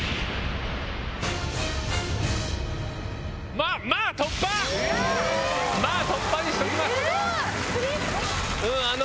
まぁ突破にしときます。